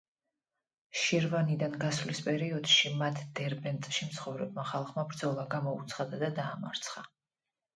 შირვანიდან გასვლის პერიოდში, მათ დერბენტში მცხოვრებმა ხალხმა ბრძოლა გამოუცხადა და დაამარცხა.